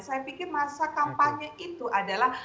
saya pikir masa kampanye itu adalah